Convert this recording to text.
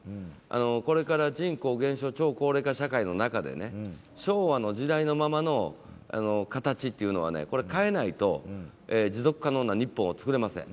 これから、人口減少超高齢化社会の中で昭和の時代のままの形っていうのは変えないと持続可能な日本を作れません。